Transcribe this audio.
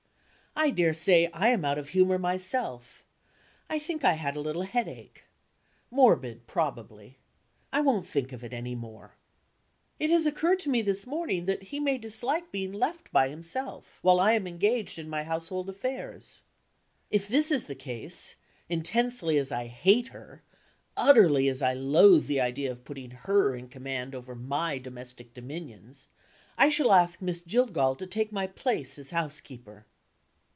I daresay I am out of humor myself. I think I had a little headache. Morbid, probably. I won't think of it any more. It has occurred to me this morning that he may dislike being left by himself, while I am engaged in my household affairs. If this is the case, intensely as I hate her, utterly as I loathe the idea of putting her in command over my domestic dominions, I shall ask Miss Jillgall to take my place as housekeeper.